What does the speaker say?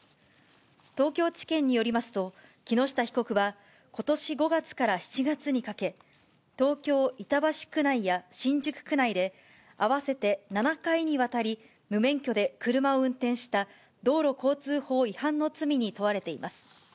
東京地検によりますと、木下被告はことし５月から７月にかけ、東京・板橋区内や新宿区内で、合わせて７回にわたり無免許で車を運転した道路交通法違反の罪に問われています。